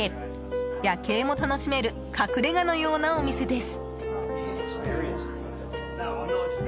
夜景も楽しめる隠れ家のようなお店です。